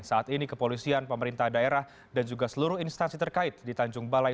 saat ini kepolisian pemerintah daerah dan juga seluruh instansi terkait di tanjung balai